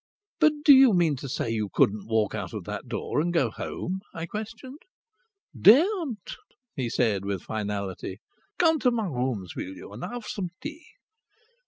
"But do you mean to say you couldn't walk out of that door and go home?" I questioned. "Daren't!" he said, with finality. "Come to my rooms, will you, and have some tea."